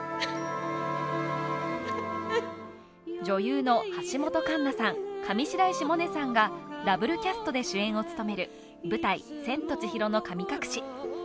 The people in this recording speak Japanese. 女優の橋本環奈さん、上白石萌音さんがダブルキャストで主演を務める舞台「千と千尋の神隠し」。